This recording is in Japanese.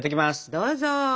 どうぞ。